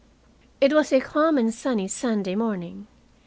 It was a calm and sunny Sunday morning.